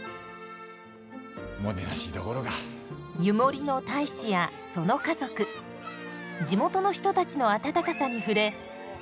湯守の大志やその家族地元の人たちの温かさに触れ